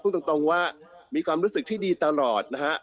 ตรงว่ามีความรู้สึกที่ดีตลอดนะฮะ